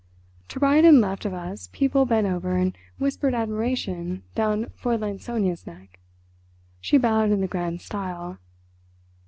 To right and left of us people bent over and whispered admiration down Fräulein Sonia's neck. She bowed in the grand style.